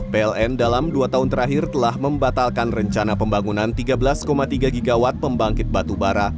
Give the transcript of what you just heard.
pln dalam dua tahun terakhir telah membatalkan rencana pembangunan tiga belas tiga gigawatt pembangkit batubara